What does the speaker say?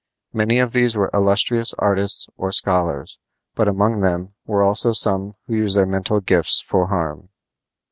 Many of these were illustrious artists or scholars, but among them were also some who used their mental gifts for harm.